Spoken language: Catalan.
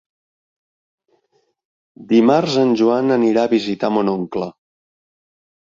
Dimarts en Joan anirà a visitar mon oncle.